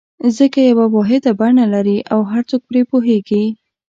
ځکه یوه واحده بڼه لري او هر څوک پرې پوهېږي.